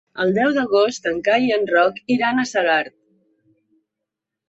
El deu d'agost en Cai i en Roc iran a Segart.